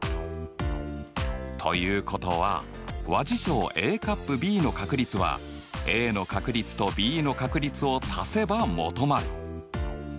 ということは和事象Ａ∪Ｂの確率はＡの確率とＢの確率を足せば求まる。